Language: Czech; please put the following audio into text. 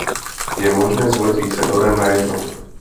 Je možné zvolit více norem najednou.